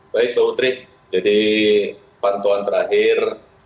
baik mbak putri jadi pantauan terakhir